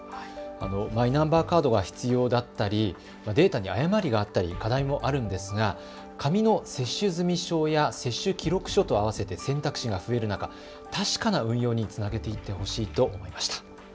マイナンバーカードが必要だったりデータに誤りがあったり課題もありますが紙の接種済証や接種記録書とあわせて選択肢が増える中、確かな運用につなげていってほしいと思いました。